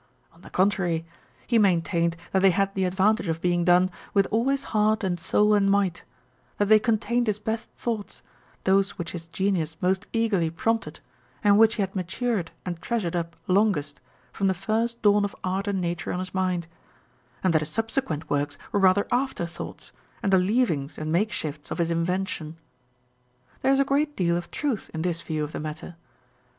On the contrary, he maintained that they had the ad vantage of being done " with all his heart, and soul, and might ;" that they contained his best thoughts, those which his genius most eagerly prompted, and which he had matured and treasured up longest, from the first dawn of art and nature on his mind ; and that his subsequent works were rather after thoughts, and the leavings and make shifts of his invention. There is a great deal of truth in this view of the matter.